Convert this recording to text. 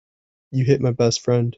You hit my best friend.